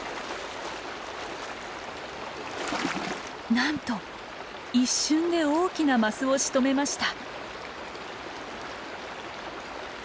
なんと一瞬で大きなマスをしとめました。